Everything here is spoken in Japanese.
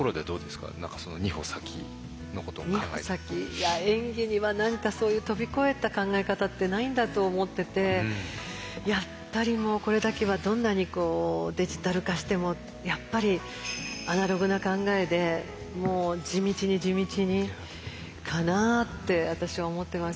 いや演技には何かそういう飛び越えた考え方ってないんだと思っててやっぱりもうこれだけはどんなにデジタル化してもやっぱりアナログな考えでもう地道に地道にかなって私は思ってます。